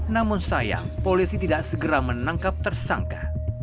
namun sayang polisi tidak segera menangkap tersangka